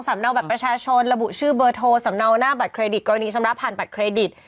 เนาบัตรประชาชนระบุชื่อเบอร์โทรสำเนาหน้าบัตรเครดิตกรณีชำระผ่านบัตรเครดิต